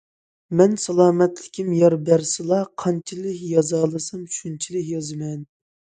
مەن سالامەتلىكىم يار بەرسىلا قانچىلىك يازالىسام شۇنچىلىك يازىمەن.